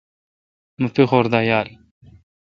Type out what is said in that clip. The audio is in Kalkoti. مہ پیخور دا یال۔